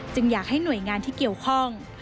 อยากให้หน่วยงานที่เกี่ยวข้อง